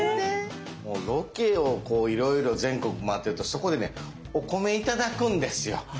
もうロケをいろいろ全国回ってるとそこでねお米頂くんですよ。